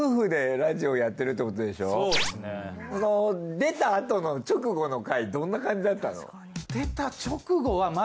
出たあとの直後の回どんな感じだったの？